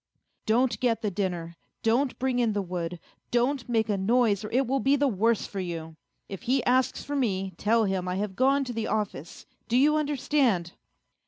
" Don't get the dinner, don't bring in the wood, don't make a noise or it will be the worse for you. If he asks for me, tell him I have gone to the office do you understand